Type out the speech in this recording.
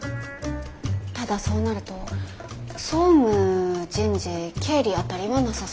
ただそうなると総務人事経理辺りはなさそうですよね。